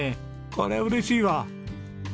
これは嬉しいわ。